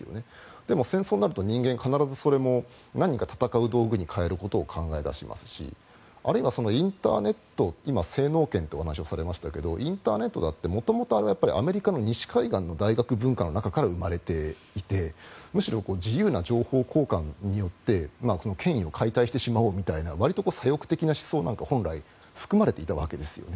でも、戦争になると人間は必ずそれも何か戦う道具に変えることを考え出しますしあるいはインターネット今、制脳権というお話をされましたがインターネットだって元々あれはアメリカの西海岸の大学文化の中から生まれていてむしろ自由な情報交換によって権威を解体してしまおうみたいなわりと左翼的な思想なんかが本来含まれていたわけですよね。